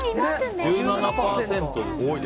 １７％ですね。